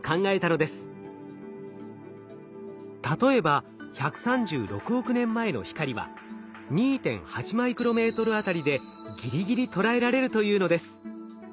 例えば１３６億年前の光は２．８マイクロメートルあたりでぎりぎり捉えられるというのです。